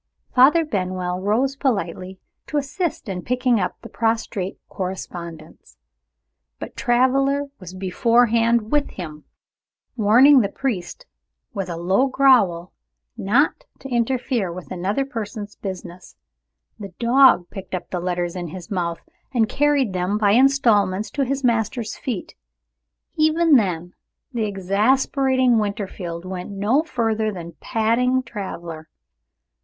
Father Benwell rose politely, to assist in picking up the prostrate correspondence. But Traveler was beforehand with him. Warning the priest, with a low growl, not to interfere with another person's business, the dog picked up the letters in his mouth, and carried them by installments to his master's feet. Even then, the exasperating Winterfield went no further than patting Traveler.